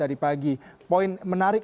apa yang terjadi